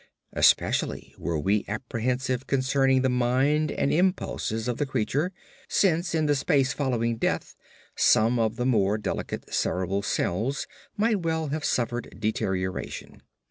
Especially were we apprehensive concerning the mind and impulses of the creature, since in the space following death some of the more delicate cerebral cells might well have suffered deterioration.